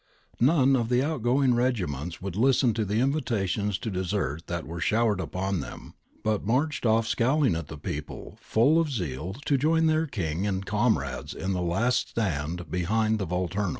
None of the outgoing regiments would listen to the invitations to desert that were showered upon them, but marched off scowling at the people, full of zeal to join their King and comrades in the last stand behind the Volturno.